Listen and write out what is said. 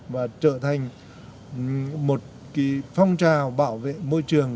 và trở thành một phong trào bảo vệ môi trường